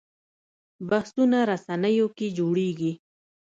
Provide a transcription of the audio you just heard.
بحثونه رسنیو کې جوړېږي